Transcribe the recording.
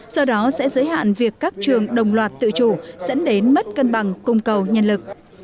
do đó sẽ giới hạn việc các trường đồng loạt tự chủ dẫn đến mất cân bằng cung cầu nhân lực